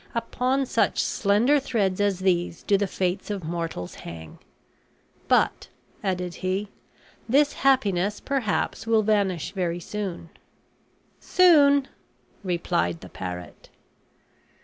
Upon such slender threads as these do the fates of mortals hang! But," added he, "this happiness perhaps will vanish very soon." "Soon," replied the parrot.